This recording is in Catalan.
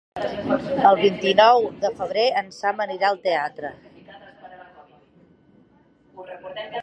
El vint-i-nou de febrer en Sam anirà al teatre.